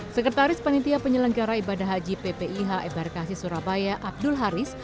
sekretaris panitia penyelenggara ibadah haji ppih ebarkasi surabaya abdul haris